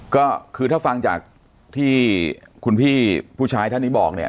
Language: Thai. ก็คือถ้าฟังจากที่คุณพี่ผู้ชายท่านนี้บอกเนี่ย